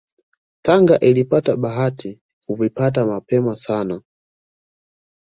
Tanga ilipata bahati kuvipata mapema sana